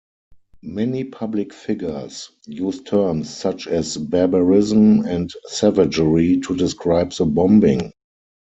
Many public figures used terms such as "barbarism" and "savagery" to describe the bombing.